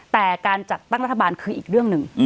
แต่การจัดตั้งรัฐบาลคืออีกเรื่องหนึ่ง